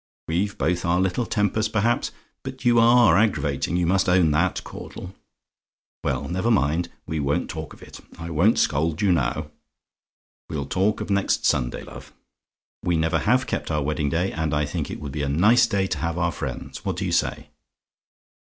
We've both our little tempers, perhaps; but you ARE aggravating; you must own that, Caudle. Well, never mind; we won't talk of it; I won't scold you now. We'll talk of next Sunday, love. We never have kept our wedding day, and I think it would be a nice day to have our friends. What do you say?